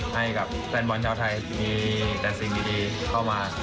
ให้กับแฟนบอลชาวไทยมีแต่สิ่งดีเข้ามา